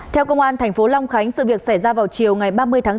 theo công an tp long khánh sự việc xảy ra vào chiều ngày ba mươi tháng bốn